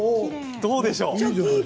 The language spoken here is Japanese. どうでしょう？